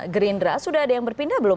gerindra sudah ada yang berpindah belum